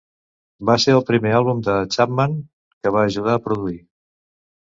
Va ser el primer àlbum de Chapman que va ajudar a produir.